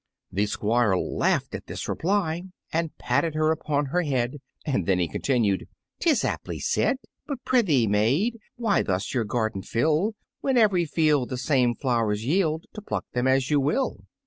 The Squire laughed at this reply, and patted her upon her head, and then he continued, "'Tis aptly said. But prithee, maid, Why thus your garden fill When ev'ry field the same flowers yield To pluck them as you will?"